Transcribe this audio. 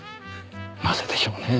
なぜでしょうねぇ？